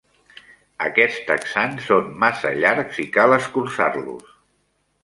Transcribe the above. Aquests texans són massa llargs i cal escurçar-los.